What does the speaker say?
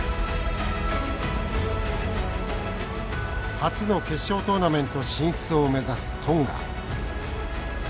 初の決勝トーナメント進出を目指すトンガ。